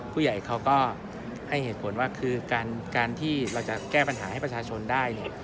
ผู้ใหญ่เขาก็ให้เหตุผลว่าคือการที่เราจะแก้ปัญหาให้ประชาชนได้เนี่ย